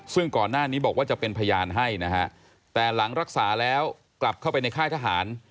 ซึ่งก่อนหน้านี้บอกว่าจะเป็นพยานให้นะฮะแต่หลังรักษาแล้วกลับเข้าไปในค่ายทหาร